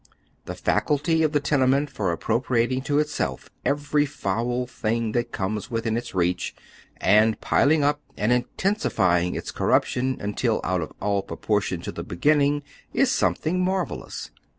The faculty of the tenement for appropriating to itself eveiy foul thing that comes within its reach, and piling up and intensifying its corruption until out of al! proportion to tlie beginning, is something marvellous.